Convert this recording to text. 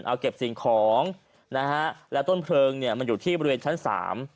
เอาเก็บสิ่งของนะฮะแล้วต้นเพลิงเนี่ยมันอยู่ที่บริเวณชั้นสาม